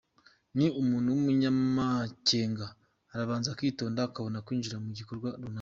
Ni umuntu w’umunyamakenga, arabanza akitonda akabona kwinjira mu gikorwa runaka.